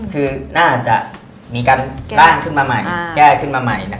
คือน่าจะมีการบ้านขึ้นมาใหม่แก้ขึ้นมาใหม่